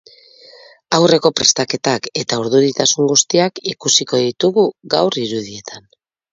Aurreko prestaketak eta urduritasun guztiak ikusiko ditugu gaur irudietan.